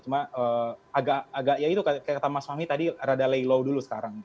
cuma agak ya itu kata mas mami tadi rada lay low dulu sekarang